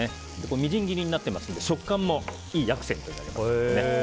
みじん切りになってますけど食感もいいアクセントになります。